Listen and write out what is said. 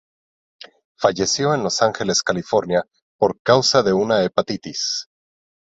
Falleció en Los Ángeles, California, por causa de una hepatitis.